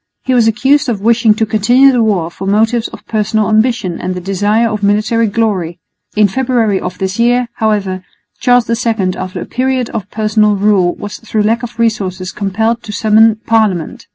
He was accused of wishing to continue the war from motives of personal ambition and the desire of military glory. In February of this year, however, Charles II after a period of personal rule was through lack of resources compelled to summon parliament.